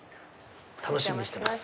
楽しみにしてます。